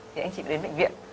thì anh chị phải đến bệnh viện